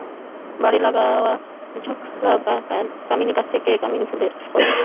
বাড়ির লাগোয়া ঝাঁকড়া কামিনী গাছ থেকে কামিনী ফুলের নেশা-ধরান গন্ধ আসছে।